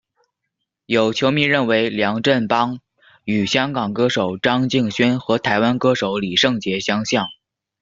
有球迷认为梁振邦与香港歌手张敬轩和台湾歌手李圣杰相像。